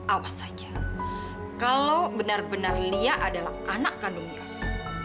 awas saja kalau benar benar lia adalah anak kandung nios